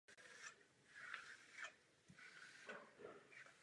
Jeho dřívějším sídlem bylo město Vsetín.